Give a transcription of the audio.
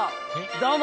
どうも！